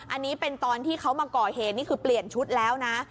อันนี้เป็นตอนที่เขามาก่อเหตุนี่คือเปลี่ยนชุดแล้วนะ